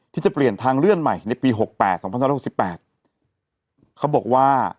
ที่จะเปลี่ยนทางเลื่อนใหม่ในปีหกแปดสองพันห้าร้อยสิบแปดเขาบอกว่า